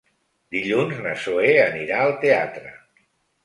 Dilluns na Zoè anirà al teatre.